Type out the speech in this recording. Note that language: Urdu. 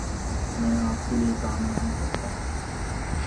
میں آپ کے لئے کام نہیں کرتا۔